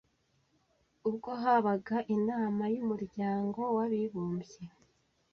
ubwo habaga inama y’Umuryango w’Abibumbye ,